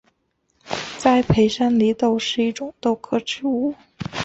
栽培山黧豆是一种豆科植物。